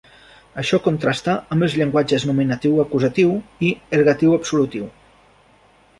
Això contrasta amb els llenguatges nominatiu-acusatiu i ergatiu-absolutiu.